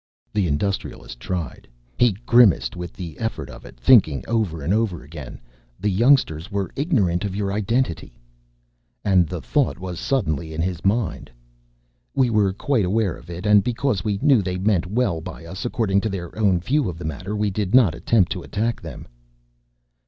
The Industrialist tried. He grimaced with the effort of it, thinking over and over again, "The youngsters were ignorant of your identity." And the thought was suddenly in his mind: "We were quite aware of it and because we knew they meant well by us according to their own view of the matter, we did not attempt to attack them."